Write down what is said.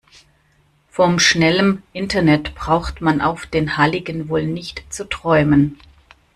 Von schnellem Internet braucht man auf den Halligen wohl nicht zu träumen.